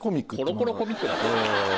『コロコロコミック』だよ。